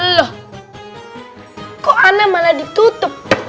loh kok anak malah ditutup